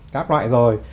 các loại rồi